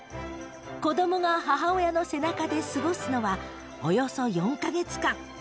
子どもが母親の背中で過ごすのはおよそ４か月間。